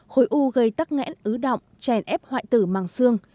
khối u gây tắc nghẽn ứ động chèn ép hoại tử màng xương